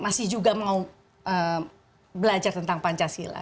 masih juga mau belajar tentang pancasila